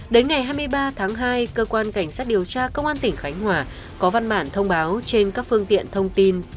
đến ngày hai mươi ba tháng hai cơ quan cảnh sát điều tra công an tỉnh khánh hòa có văn bản thông báo trên các phương tiện thông tin